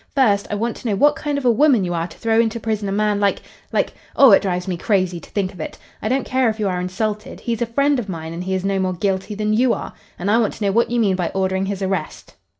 First, I want to know what kind of a woman you are to throw into prison a man like like Oh, it drives me crazy to think of it! I don't care if you are insulted. He's a friend of mine and he is no more guilty than you are, and I want to know what you mean by ordering his arrest?"